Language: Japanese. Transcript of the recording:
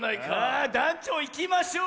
あだんちょういきましょう。